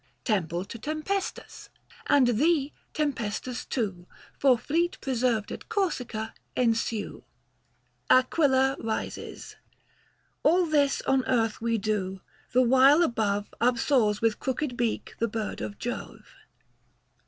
TEMPLE TO TEMPESTAS. And thee, Tempestas, too, For fleet preserved at Corsica, ensue. 230 AQUILA RISES. All this on earth we do, the while above Upsoars with crooked beak the bird of Jove.